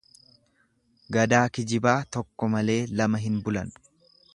Gadaa kijibaa tokko malee lama hin bulan.